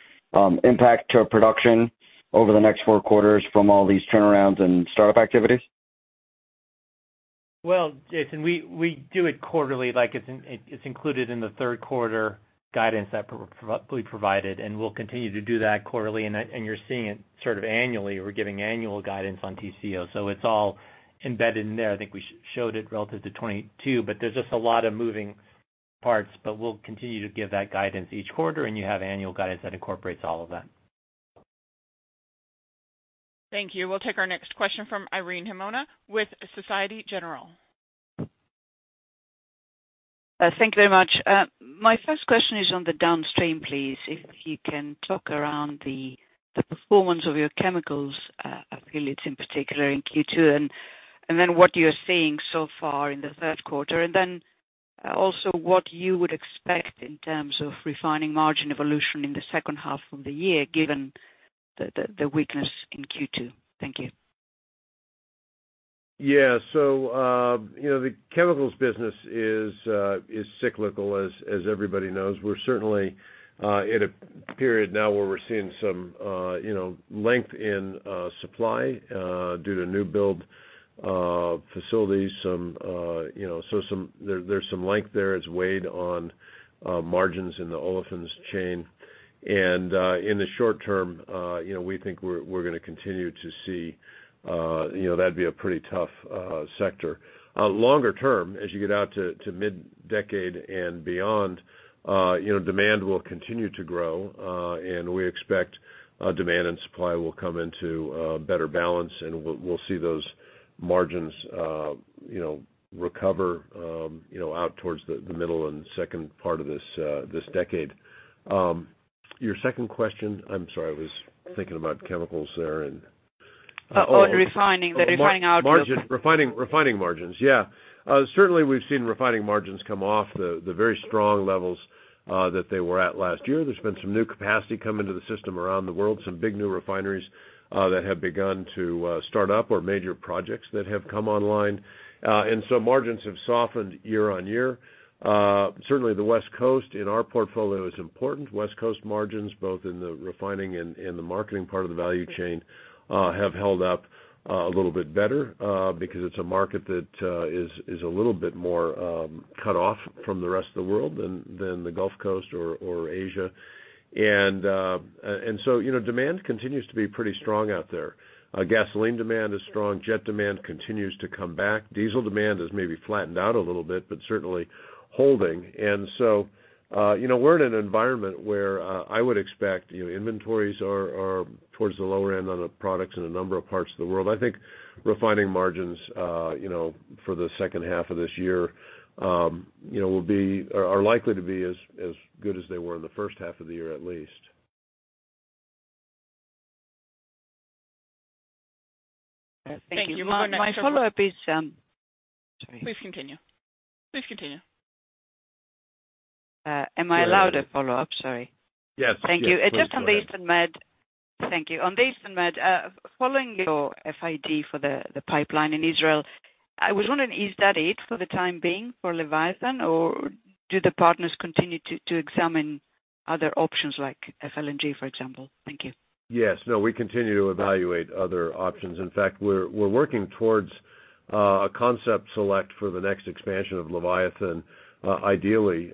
impact to production over the next 4 quarters from all these turnarounds and startup activities? Well, Jason, we, we do it quarterly, like it's it, it's included in the third quarter guidance that we provided, and we'll continue to do that quarterly. You're seeing it sort of annually. We're giving annual guidance on TCO, so it's all embedded in there. I think we showed it relative to 2022, but there's just a lot of moving parts. We'll continue to give that guidance each quarter, and you have annual guidance that incorporates all of that. Thank you. We'll take our next question from Irene Himona with Société Générale. Thank you very much. My first question is on the Downstream, please. If you can talk around the, the performance of your chemicals, affiliates, in particular in Q2, and, and then what you're seeing so far in the third quarter. Then, also what you would expect in terms of refining margin evolution in the second half of the year, given the, the, the weakness in Q2. Thank you. Yeah. You know, the chemicals business is cyclical, as, as everybody knows. We're certainly in a period now where we're seeing some, you know, length in supply due to new build facilities, some, you know, there, there's some length there. It's weighed on margins in the olefins chain. In the short term, you know, we think we're, we're gonna continue to see, you know, that'd be a pretty tough sector. As you get out to, to mid-decade and beyond, you know, demand will continue to grow, and we expect demand and supply will come into better balance, and we'll, we'll see those margins, you know, recover, you know, out towards the, the middle and second part of this decade. Your second question, I'm sorry, I was thinking about chemicals there and- Oh, refining, the refining output. Margin, refining, refining margins. Yeah. Certainly we've seen refining margins come off the very strong levels that they were at last year. There's been some new capacity come into the system around the world, some big new refineries that have begun to start up, or major projects that have come online. Margins have softened year-on-year. Certainly the West Coast in our portfolio is important. West Coast margins, both in the refining and the marketing part of the value chain, have held up a little bit better because it's a market that is a little bit more cut off from the rest of the world than the Gulf Coast or Asia. You know, demand continues to be pretty strong out there. Gasoline demand is strong. Jet demand continues to come back. Diesel demand has maybe flattened out a little bit, but certainly holding. You know, we're in an environment where I would expect, you know, inventories are, are towards the lower end on the products in a number of parts of the world. I think refining margins, you know, for the second half of this year, you know, are likely to be as good as they were in the first half of the year, at least. Thank you. My, my follow up is... Sorry. Please continue. Please continue. Am I allowed- a follow up? Sorry. Yes. Thank you. Yes, please go ahead. Just on the Eastern Med. Thank you. On the Eastern Med, following your FID for the, the pipeline in Israel, I was wondering, is that it for the time being for Leviathan, or do the partners continue to, to examine other options like FLNG, for example? Thank you. Yes. No, we continue to evaluate other options. In fact, we're, we're working towards a concept select for the next expansion of Leviathan, ideally,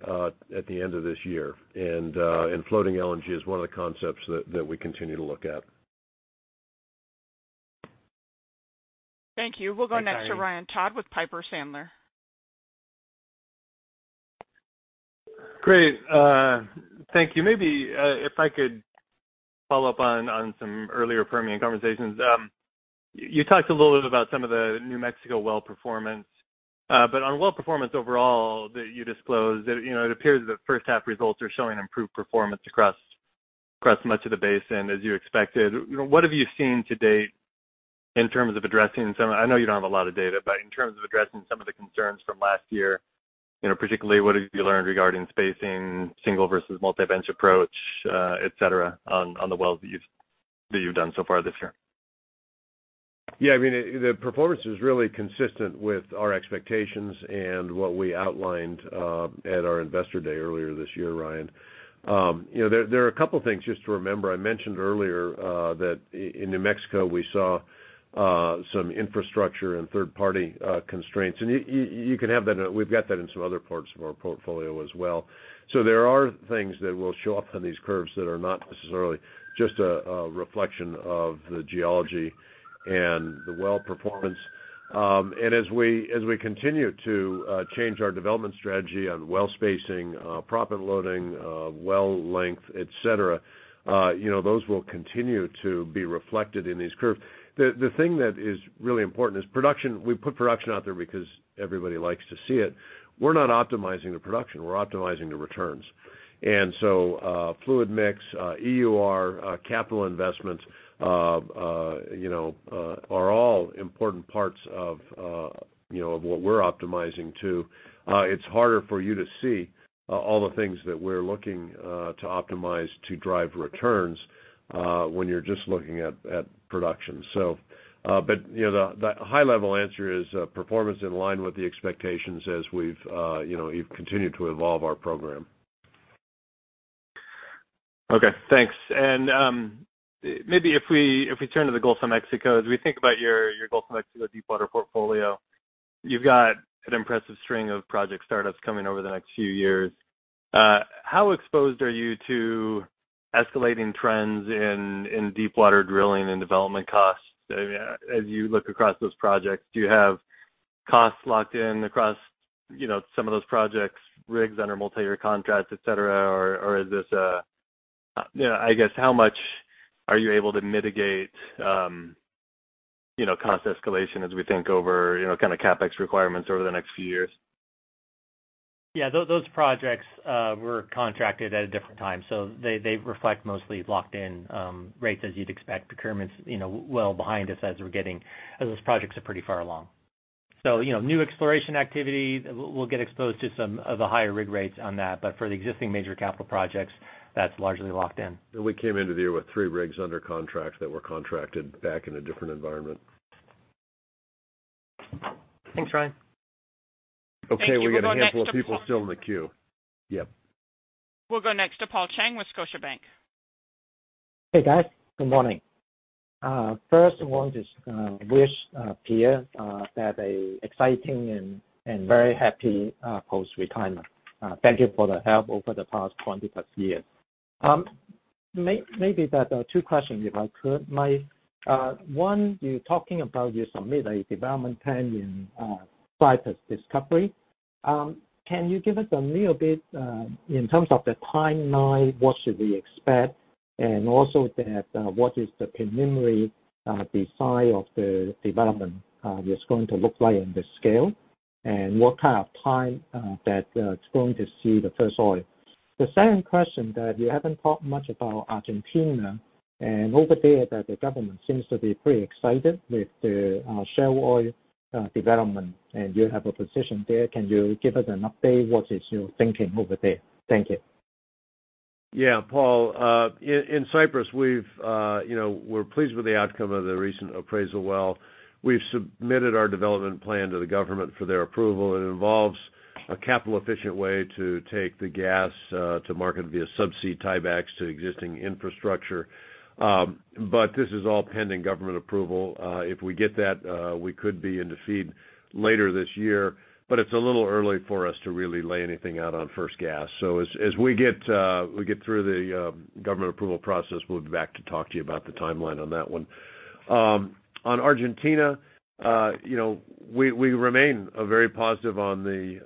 at the end of this year. Floating LNG is one of the concepts that, that we continue to look at. Thank you. We'll go next to Ryan Todd with Piper Sandler. Great, thank you. Maybe, if I could follow up on some earlier Permian conversations. You talked a little bit about some of the New Mexico well performance, but on well performance overall, that you disclosed, you know, it appears that first half results are showing improved performance across, across much of the basin, as you expected. You know, what have you seen to date in terms of addressing some-- I know you don't have a lot of data, but in terms of addressing some of the concerns from last year, you know, particularly, what have you learned regarding spacing, single versus multi-bench approach, et cetera, on the wells that you've, that you've done so far this year? Yeah, I mean, the, the performance is really consistent with our expectations and what we outlined at our Investor Day earlier this year, Ryan. You know, there, there are a couple things just to remember. I mentioned earlier that in New Mexico, we saw some infrastructure and third-party constraints. You can have that in-- We've got that in some other parts of our portfolio as well. So there are things that will show up on these curves that are not necessarily just a reflection of the geology and the well performance. As we, as we continue to change our development strategy on well spacing, proppant loading, well length, et cetera, you know, those will continue to be reflected in these curves. The, the thing that is really important is production. We put production out there because everybody likes to see it. We're not optimizing the production, we're optimizing the returns. Fluid mix, EUR, capital investments, you know, are all important parts of, you know, of what we're optimizing to. It's harder for you to see all the things that we're looking to optimize to drive returns when you're just looking at production. You know, the high-level answer is performance in line with the expectations as we've, you know, we've continued to evolve our program. Okay, thanks. Maybe if we turn to the Gulf of Mexico, as we think about your, your Gulf of Mexico deepwater portfolio, you've got an impressive string of project startups coming over the next few years. How exposed are you to escalating trends in, in deepwater drilling and development costs? As you look across those projects, do you have costs locked in across, you know, some of those projects, rigs under multiyear contracts, et cetera, or is this a... you know, I guess, how much are you able to mitigate, you know, cost escalation as we think over, you know, kind of CapEx requirements over the next few years? Yeah, those projects were contracted at a different time, so they, they reflect mostly locked-in rates, as you'd expect. Procurements, you know, well behind us as those projects are pretty far along. You know, new exploration activity, we'll, we'll get exposed to some of the higher rig rates on that, but for the existing major capital projects, that's largely locked in. We came into the year with 3 rigs under contract that were contracted back in a different environment. Thanks, Ryan. Thank you. Okay, we got a handful of people still in the queue. Yep. We'll go next to Paul Cheng with Scotiabank. Hey, guys. Good morning. First, I want to wish Pierre a exciting and very happy post-retirement. Thank you for the help over the past 20-plus years. Maybe there are two questions, if I could. One, you're talking about you submit a development plan in Cyprus discovery. Can you give us a little bit in terms of the timeline, what should we expect? Also that, what is the preliminary design of the development is going to look like in this scale?... what kind of time that it's going to see the first oil? The second question that you haven't talked much about Argentina, and over there, that the government seems to be pretty excited with the shale oil development, and you have a position there. Can you give us an update? What is your thinking over there? Thank you. Yeah, Paul, in Cyprus, we've, you know, we're pleased with the outcome of the recent appraisal well. We've submitted our development plan to the government for their approval. It involves a capital-efficient way to take the gas to market via subsea tiebacks to existing infrastructure. This is all pending government approval. If we get that, we could be into FEED later this year, but it's a little early for us to really lay anything out on first gas. As, as we get, we get through the government approval process, we'll be back to talk to you about the timeline on that one. On Argentina, you know, we, we remain very positive on the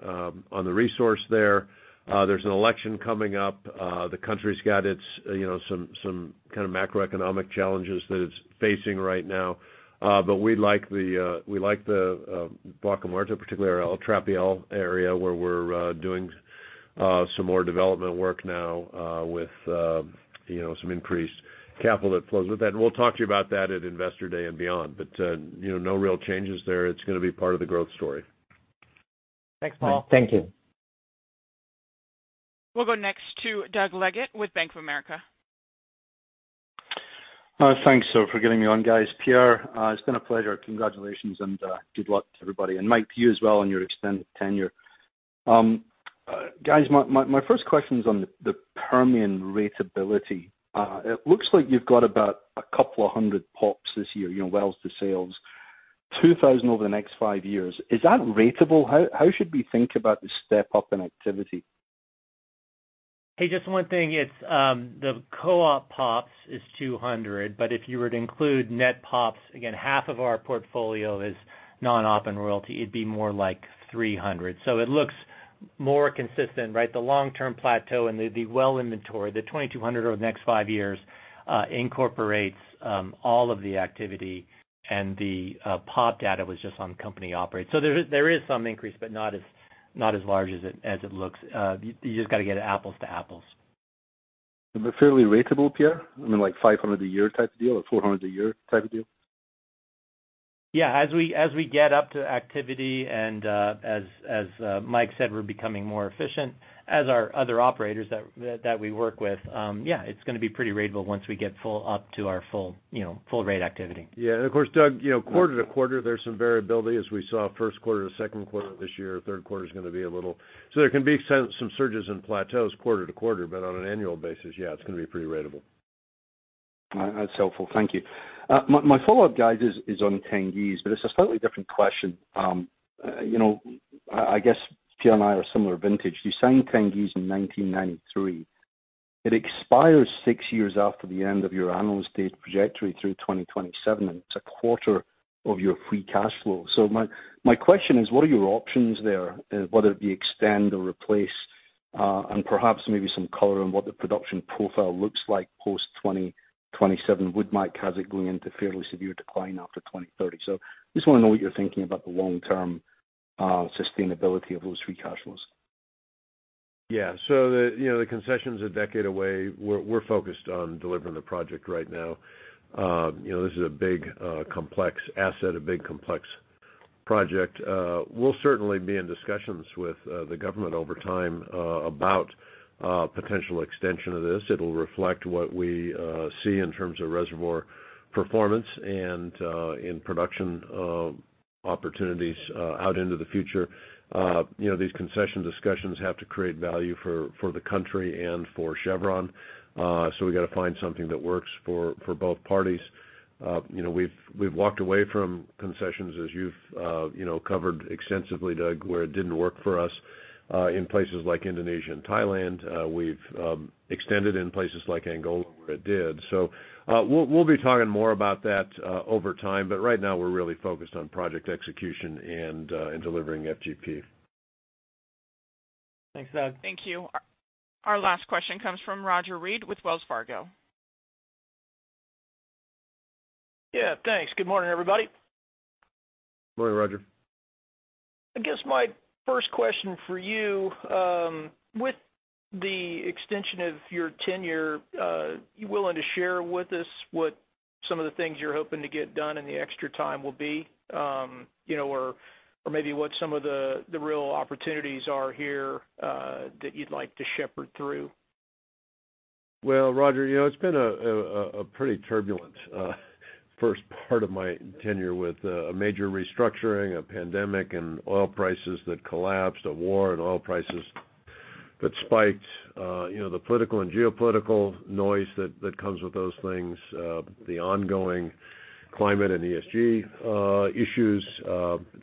resource there. There's an election coming up. The country's got its, you know, some, some kind of macroeconomic challenges that it's facing right now. We like the, we like the Vaca Muerta, particularly Trapial area, where we're doing some more development work now, with, you know, some increased capital that flows with that. We'll talk to you about that at Investor Day and beyond. You know, no real changes there. It's gonna be part of the growth story. Thanks, Pierre. Thank you. We'll go next to Doug Leggate with Bank of America. Thanks, so for getting me on, guys. Pierre, it's been a pleasure. Congratulations, and good luck to everybody. Mike, to you as well on your extended tenure. Guys, my, my, my first question is on the, the Permian ratability. It looks like you've got about a couple of hundred POPs this year, you know, wells to sales, 2,000 over the next 5 years. Is that ratable? How, how should we think about the step up in activity? Hey, just one thing, it's the co-op POPs is 200, if you were to include net POPs, again, half of our portfolio is non-op and royalty, it'd be more like 300. It looks more consistent, right? The long-term plateau and the, the well inventory, the 2,200 over the next five years, incorporates all of the activity, The POP data was just on company operates. There is, there is some increase, but not as, not as large as it, as it looks. You just gotta get apples to apples. fairly ratable, Pierre? I mean, like 500 a year type deal or 400 a year type of deal? Yeah, as we, as we get up to activity and as, as Mike said, we're becoming more efficient as our other operators that, that, that we work with, yeah, it's gonna be pretty ratable once we get full up to our full, you know, full rate activity. Yeah, of course, Doug, you know, quarter to quarter, there's some variability as we saw first quarter to second quarter this year. Third quarter's gonna be a little... There can be some, some surges and plateaus quarter to quarter, but on an annual basis, yeah, it's gonna be pretty ratable. That's helpful. Thank you. My, my follow up, guys, is, is on Tengiz, but it's a slightly different question. You know, I guess Pierre and I are similar vintage. We signed Tengiz in 1993. It expires 6 years after the end of your annual state trajectory through 2027, and it's a quarter of your free cash flow. My, my question is, what are your options there? Whether it be extend or replace, and perhaps maybe some color on what the production profile looks like post-2027. Would Mike have it going into fairly severe decline after 2030? Just wanna know what you're thinking about the long-term sustainability of those free cash flows. Yeah. The, you know, the concession's a decade away. We're, we're focused on delivering the project right now. You know, this is a big, complex asset, a big complex project. We'll certainly be in discussions with the government over time about potential extension of this. It'll reflect what we see in terms of reservoir performance and in production opportunities out into the future. You know, these concession discussions have to create value for, for the country and for Chevron. We've gotta find something that works for, for both parties. You know, we've, we've walked away from concessions, as you've, you know, covered extensively, Doug, where it didn't work for us in places like Indonesia and Thailand. We've extended in places like Angola, where it did. We'll be talking more about that, over time, but right now we're really focused on project execution and delivering FGP. Thanks, Doug. Thank you. Our last question comes from Roger Read with Wells Fargo. Yeah, thanks. Good morning, everybody. Good morning, Roger. I guess my first question for you, with the extension of your tenure, you willing to share with us what some of the things you're hoping to get done in the extra time will be? You know, or, or maybe what some of the, the real opportunities are here, that you'd like to shepherd through? Well, Roger, you know, it's been a pretty turbulent first part of my tenure with a major restructuring, a pandemic and oil prices that collapsed, a war, and oil prices that spiked. You know, the political and geopolitical noise that comes with those things, the ongoing climate and ESG issues,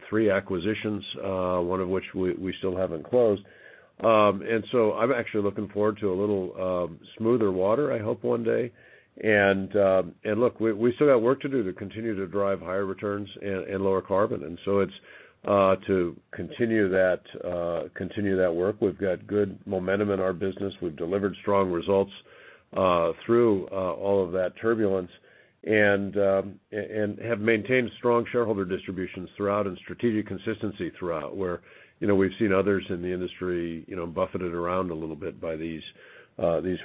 three acquisitions, one of which we still haven't closed. So I'm actually looking forward to a little smoother water, I hope, one day. Look, we still got work to do to continue to drive higher returns and lower carbon. So it's to continue that continue that work. We've got good momentum in our business. We've delivered strong results.... through all of that turbulence, and, and have maintained strong shareholder distributions throughout and strategic consistency throughout, where, you know, we've seen others in the industry, you know, buffeted around a little bit by these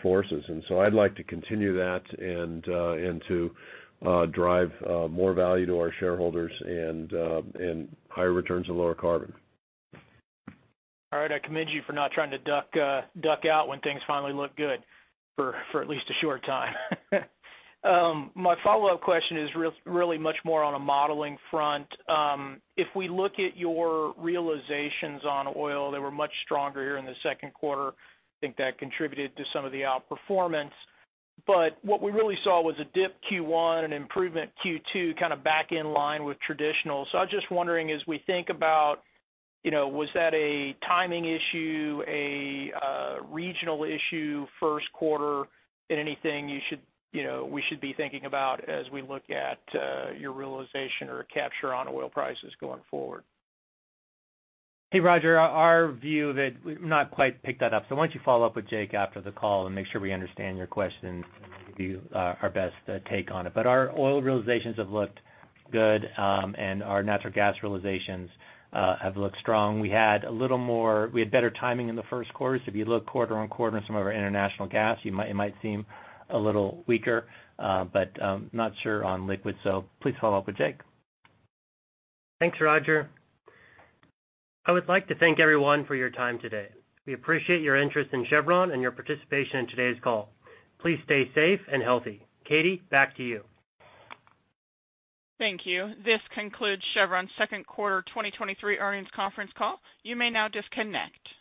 forces. I'd like to continue that and to drive more value to our shareholders and higher returns and lower carbon. All right. I commend you for not trying to duck, duck out when things finally look good for, for at least a short time. My follow up question is really much more on a modeling front. If we look at your realizations on oil, they were much stronger here in the second quarter. I think that contributed to some of the outperformance. What we really saw was a dip Q1 and improvement Q2, kind of back in line with traditional. I was just wondering, as we think about, you know, was that a timing issue, a regional issue, first quarter, and anything you should, you know, we should be thinking about as we look at your realization or capture on oil prices going forward? Hey, Roger Read, our view that we've not quite picked that up. Why don't you follow up with Jake after the call and make sure we understand your question, and we'll give you our best take on it. Our oil realizations have looked good, and our natural gas realizations have looked strong. We had better timing in the first quarter. If you look quarter-on-quarter in some of our international gas, it might seem a little weaker, but not sure on liquid, so please follow up with Jake. Thanks, Roger. I would like to thank everyone for your time today. We appreciate your interest in Chevron and your participation in today's call. Please stay safe and healthy. Katie, back to you. Thank you. This concludes Chevron's Second Quarter 2023 Earnings Conference Call. You may now disconnect.